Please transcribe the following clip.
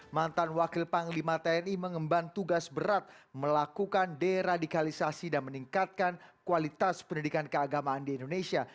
mantan wakil panglima tni mengemban tugas berat melakukan deradikalisasi dan meningkatkan kualitas pendidikan keagamaan di indonesia